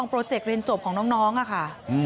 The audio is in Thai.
โปรเจกต์เรียนจบของน้องค่ะ